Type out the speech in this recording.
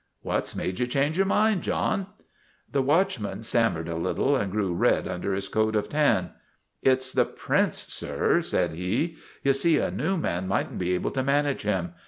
" What 's made you change your mind, John ?" The watchman stammered a little and grew red under his coat of tan. " It 's the Prince, sir," said he. " You see a new STRIKE AT TIVERTON MANOR 141 man might n't be able to manage him.